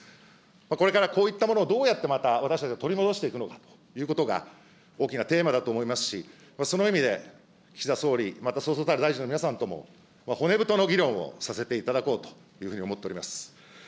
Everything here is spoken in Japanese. これからこういったものをどうやってまた私たちは取り戻していくのかということが、大きなテーマだと思いますし、その意味で、岸田総理、またそうそうたる大臣の皆さんとも、骨太の議論をさせていただこうというふうに思っております。